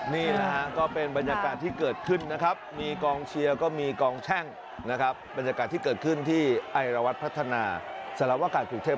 ราวตาลันสู้ราวตาลันสู้